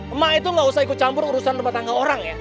emak itu gak usah ikut campur urusan rumah tangga orang ya